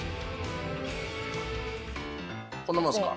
こんなもんですか？